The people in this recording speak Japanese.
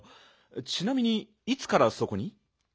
ちなみにいつからそこに？